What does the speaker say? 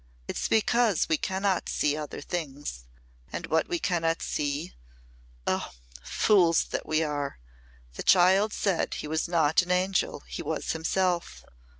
It's because we cannot see other things, and what we cannot see Oh! fools that we are! The child said he was not an angel he was himself.